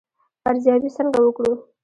ارزیابي څنګه وکړو؟